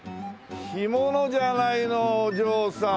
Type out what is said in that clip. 干物じゃないのお嬢さん！